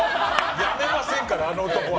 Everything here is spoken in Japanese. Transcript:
やめませんから、あの男は。